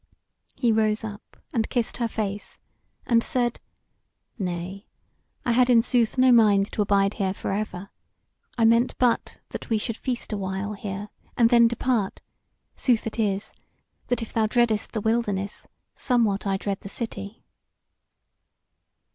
He rose up and kissed her face, and said: "Nay, I had in sooth no mind to abide here for ever; I meant but that we should feast a while here, and then depart: sooth it is, that if thou dreadest the wilderness, somewhat I dread the city."